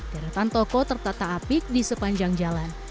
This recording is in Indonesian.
deretan toko tertata apik di sepanjang jalan